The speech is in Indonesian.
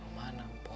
rumah anak mpok